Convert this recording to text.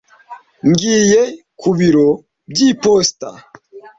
Ngiye ku biro by'iposita.